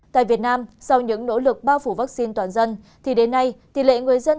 tại việt nam sau những nỗ lực bao phủ vaccine toàn dân thì đến nay tỷ lệ người dân